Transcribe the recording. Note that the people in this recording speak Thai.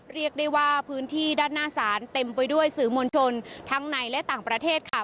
เรียกได้ว่าพื้นที่ด้านหน้าศาลเต็มไปด้วยสื่อมวลชนทั้งในและต่างประเทศค่ะ